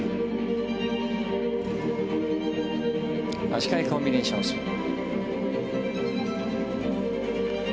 足換えコンビネーションスピン。